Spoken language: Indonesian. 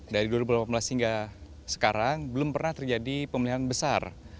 dari dua ribu delapan belas hingga sekarang belum pernah terjadi pemeliharaan besar